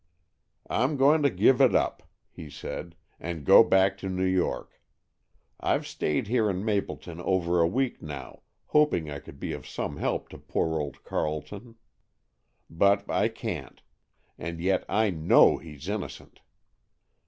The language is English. "I'm going to give it up," he said, "and go back to New York. I've stayed here in Mapleton over a week now, hoping I could be of some help to poor old Carleton; but I can't—and yet I know he's innocent!